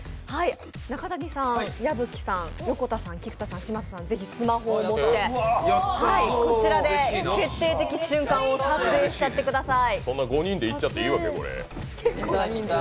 中谷さん、矢吹さん、横田さん、菊田さん嶋佐さん、ぜひスマホを持ってこちらで決定的瞬間をそんな５人で行っちゃっていいわけ？